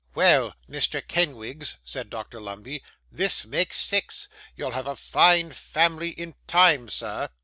'Well, Mr. Kenwigs,' said Dr Lumbey, 'this makes six. You'll have a fine family in time, sir.